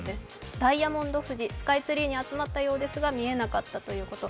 ダイヤモンド富士、スカイツリーに集まったんですが、見えなかったということ。